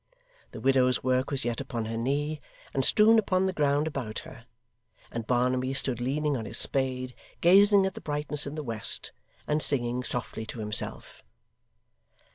The widow's work was yet upon her knee, and strewn upon the ground about her; and Barnaby stood leaning on his spade, gazing at the brightness in the west, and singing softly to himself.